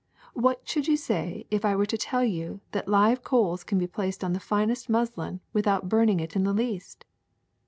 What should you say if I were to tell you that live coals can be placed on the finest muslin Avithout burning it in the least?"